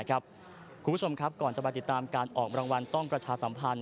คุณผู้ชมครับก่อนจะมาติดตามการออกรางวัลต้องประชาสัมพันธ